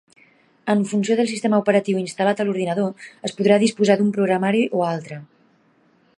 En funció del sistema operatiu instal·lat a l'ordinador es podrà disposar d'un programari o altre.